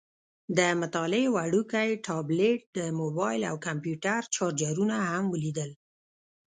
د مطالعې وړوکی ټابلیټ، د موبایل او کمپیوټر چارجرونه هم ولیدل.